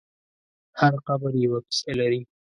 هر قبر یوه کیسه لري.